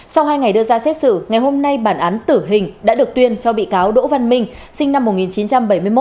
sau hai ngày đưa ra xét xử ngày hôm nay bản án tử hình đã được tuyên cho bị cáo đỗ văn minh sinh năm một nghìn chín trăm bảy mươi một